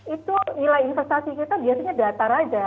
itu nilai investasi kita biasanya datar aja